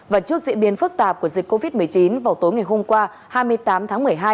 và trước diễn biến phức tạp của dịch covid một mươi chín vào tối ngày hôm qua hai mươi tám tháng một mươi hai